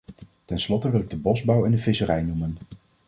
Tenslotte wil ik de bosbouw en de visserij noemen.